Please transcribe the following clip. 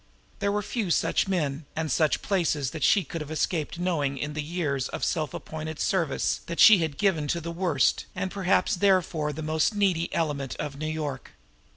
There were few such men and such places that she could have escaped knowing in the years of self appointed service that she had given to the worst, and perhaps therefore the most needy, element in New York.